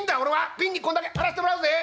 ピンにこんだけ張らしてもらうぜ」。